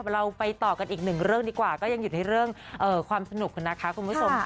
เราไปต่อกันอีกหนึ่งเรื่องดีกว่าก็ยังหยุดในเรื่องความสนุกนะคะคุณผู้ชม